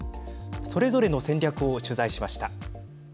それぞれの戦略を取材しました。